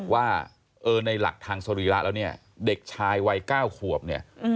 ว่าในหลักทางสรีระแล้วเนี่ยเด็กชายวัย๙ขวบเนี่ย